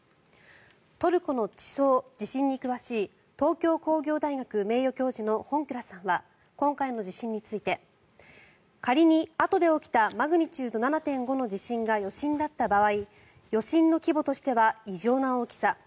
トルコの地層、地震に詳しい東京工業大学名誉教授の本藏さんは今回の地震について仮にあとで起きたマグニチュード７．５の地震が余震だった場合余震の規模としては異常な大きさ。